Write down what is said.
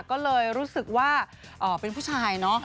ก็เลยรู้สึกว่าเป็นผู้ชายเนาะ